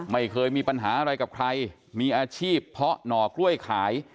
ไม่เคยมีปัญหาอะไรกับใครมีอาชีพเพาะหน่อกล้วยขาย